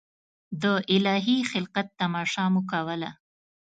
د الهي خلقت تماشه مو کوله.